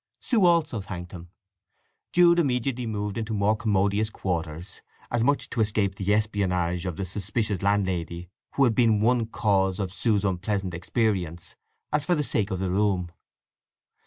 Sue also thanked him. Jude immediately moved into more commodious quarters, as much to escape the espionage of the suspicious landlady who had been one cause of Sue's unpleasant experience as for the sake of room.